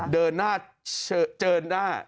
เดินหน้าเดินหน้า